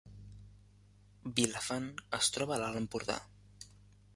Vilafant es troba a l’Alt Empordà